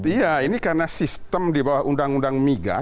iya ini karena sistem di bawah undang undang migas